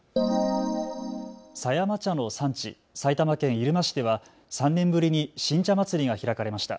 狭山茶の産地、埼玉県入間市では３年ぶりに新茶まつりが開かれました。